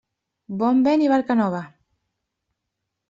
Bon vent i barca nova.